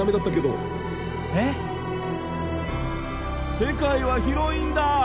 世界は広いんだ！